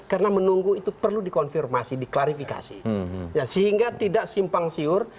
karena menunggu itu perlu dikonfirmasi diklarifikasi sehingga tidak simpang siur